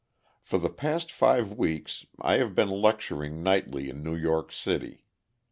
For the past five weeks I have been lecturing nightly in New York City.